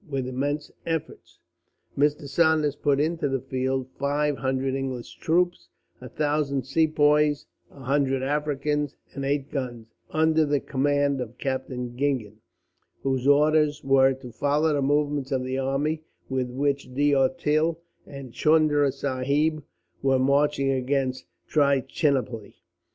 With immense efforts, Mr. Saunders put into the field five hundred English troops, a thousand Sepoys, a hundred Africans, and eight guns; under the command of Captain Gingen, whose orders were to follow the movements of the army with which D'Auteuil and Chunda Sahib were marching against Trichinopoli.